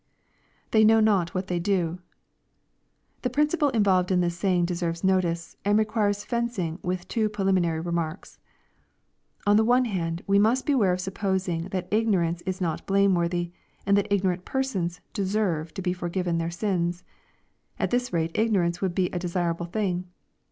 [IJiey Tcnow not what they do,] The principle involved in this saying deserves notice, and requires fencing with two preliminary remarks. On the one hand, we must beware of supposing that ignorance is not blameworthy, and that ignorant persons deserve to be for given their sins. At this rate ignorance would be a desirable thing.